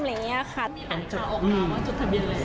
มีข่าวออกมาว่าจะจดทะเบียนไหม